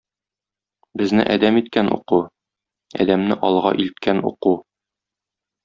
Безне адәм иткән — уку, адәмне алга илткән — уку.